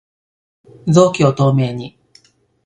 臓器を透明に